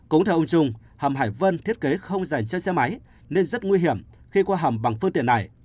cũng theo ông trung hầm hải vân thiết kế không dành cho xe máy nên rất nguy hiểm khi qua hầm bằng phương tiện này